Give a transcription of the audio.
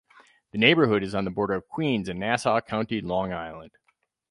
The neighborhood is on the border of Queens and Nassau County, Long Island.